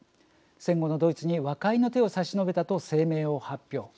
戦後のドイツに和解の手を差し伸べた」と声明を発表。